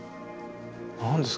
何ですかね。